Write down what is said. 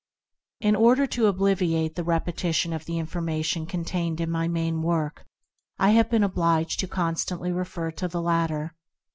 In order to obviate the repetition of the informa tion contained in my main work, I have been obliged to constantly refer to the latter.